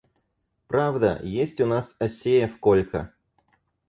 Правда, есть у нас Асеев Колька.